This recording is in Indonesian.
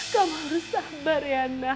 kamu harus sabar ya